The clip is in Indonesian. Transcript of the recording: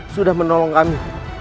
sudah menolong kami